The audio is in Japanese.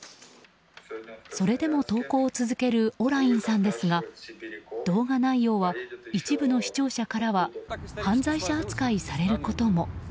それでも投稿を続けるオラインさんですが動画内容は一部の視聴者からは犯罪者扱いされることも。